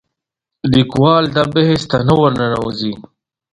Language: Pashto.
لیکوال دا بحث ته نه ورننوځي